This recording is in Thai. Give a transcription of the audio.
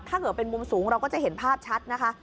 ถ้าเกิดเป็นมุมสูงเราก็จะเห็นภาพชัดนะคะ